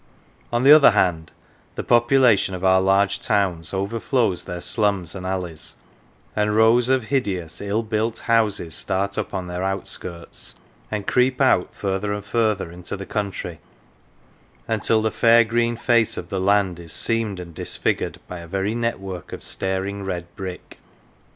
On the other hand, the population of our large towns overflows their slums and alleys, and rows of hideous, ill built houses start up on their outskirts and creep out further and further into the country until the fair green face of the land is seamed and disfigured by a very network of staring red brick.